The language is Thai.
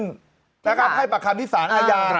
เพราะความธิจภาพอ่ะครับะครับให้ประคันที่ศาลอาญา